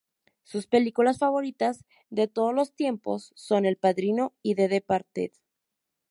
Sus películas favoritas de todos los tiempos son "El padrino" y "The Departed.